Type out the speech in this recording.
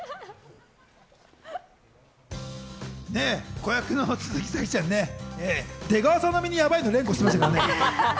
子役の鈴木咲ちゃん、出川さん並みにヤバい連呼してますね。